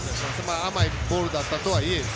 甘いボールだったとはいえ。